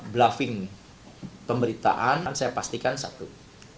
beloved pemberitaan saya pastikan graphics